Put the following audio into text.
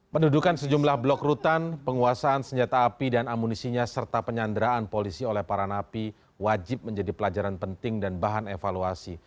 pendudukan sejumlah blok rutan penguasaan senjata api dan amunisinya serta penyanderaan polisi oleh para napi wajib menjadi pelajaran penting dan bahan evaluasi